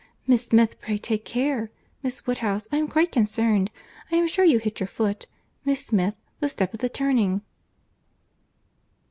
Miss Smith, pray take care. Miss Woodhouse, I am quite concerned, I am sure you hit your foot. Miss Smith, the step at the turning."